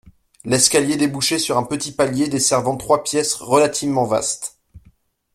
L’escalier débouchait sur un petit palier desservant trois pièces relativement vastes.